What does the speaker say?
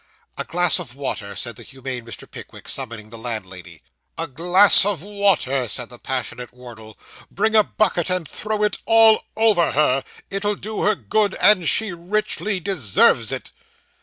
'A glass of water,' said the humane Mr. Pickwick, summoning the landlady. 'A glass of water!' said the passionate Wardle. 'Bring a bucket, and throw it all over her; it'll do her good, and she richly deserves it.